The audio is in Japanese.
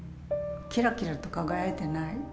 キラキラと輝いてない。